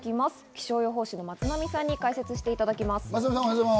気象予報士の松並さんに解説していただきます。